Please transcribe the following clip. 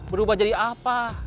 berubah jadi apa